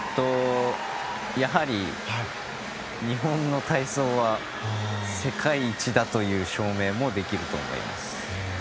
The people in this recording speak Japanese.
やはり日本の体操は世界一だという証明もできると思います。